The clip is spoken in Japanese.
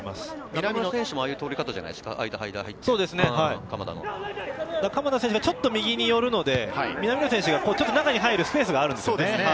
南野選手もああいう取り鎌田選手がちょっと右に寄るので南野選手がちょっと中に入るスペースがあるんですよね。